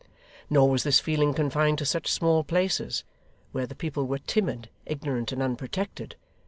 Nor was this feeling confined to such small places, where the people were timid, ignorant, and unprotected.